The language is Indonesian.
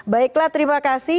baiklah terima kasih